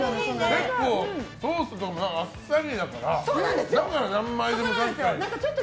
ソースがあっさりだからだから何枚でも食べちゃう。